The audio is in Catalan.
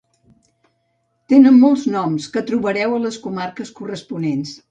Tenen molts noms que trobareu a les comarques corresponents